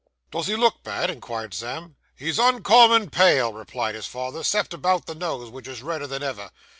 'Does he look bad?' inquired Sam. 'He's uncommon pale,' replied his father, ''cept about the nose, which is redder than ever.